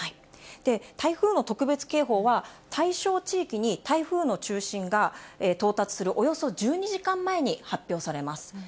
台風の特別警報は、対象地域に台風の中心が到達するおよそ１２時間前に発表されます。